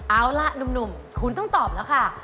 เอาล่ะหนุ่มคุณต้องตอบแล้วค่ะ